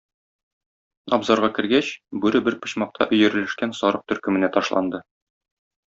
Абзарга кергәч, бүре бер почмакка өерелешкән сарык төркеменә ташланды.